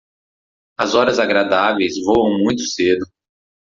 As horas agradáveis voam muito cedo.